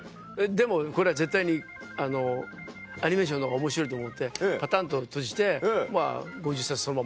でもこれは絶対にあのアニメーションのほうが面白いと思ってパタンと閉じてまぁ５０冊そのまま。